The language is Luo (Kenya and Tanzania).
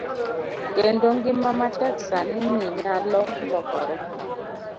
Kendo ngima matek sani ni nyalo lokore.